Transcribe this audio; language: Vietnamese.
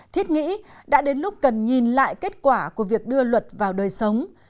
thiết nghĩ đã đến lúc cần nhìn lại kết quả của việc đưa luật vào đời sống